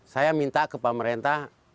saya minta ke pemerintah